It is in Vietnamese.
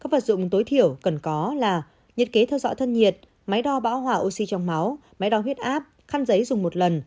vật dụng tối thiểu cần có là nhật kế theo dõi thân nhiệt máy đo bão hỏa oxy trong máu máy đo huyết áp khăn giấy dùng một lần